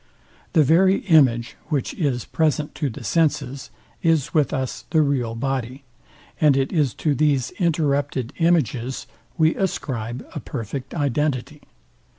The very image, which is present to the senses, is with us the real body; and it is to these interrupted images we ascribe a perfect identity.